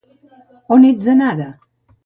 -On ets anada?